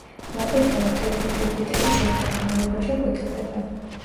მოყვითალო თეთრი ფირფიტები დროთა განმავლობაში ყვითლდება.